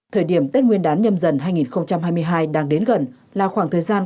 thời điểm tết nguyên đán nhâm dần hai nghìn hai mươi hai đang đến gần là khoảng thời gian